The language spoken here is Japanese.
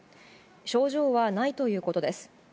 症状はないということです。